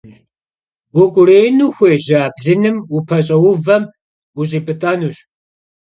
Vuk'uriinu xuêja blınım vupeş'euvem vuş'ip'ıt'enuş.